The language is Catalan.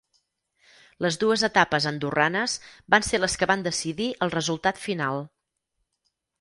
Les dues etapes andorranes van ser les que van decidir el resultat final.